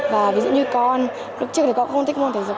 và ví dụ như con lúc trước thì con cũng không thích môn thể dục